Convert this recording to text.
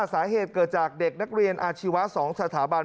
สอบสวนทราบว่าสาเหตุเกิดจากเด็กนักเรียนอาชีวะ๒สถาบัน